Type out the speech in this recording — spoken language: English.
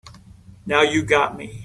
Now you got me.